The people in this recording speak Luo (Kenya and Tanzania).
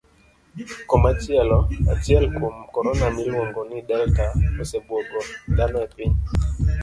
Koma chielo, achiel kuom korona miluong'o ni delta, osebuogo dhano e piny.